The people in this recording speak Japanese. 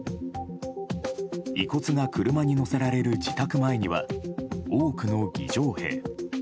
遺骨が車に乗せられる自宅前には多くの儀仗兵。